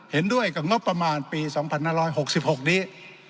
เห็นด้วยกับงบประมาณปี๒๕๖๖นี้